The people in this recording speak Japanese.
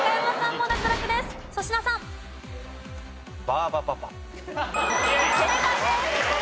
バーバパパ。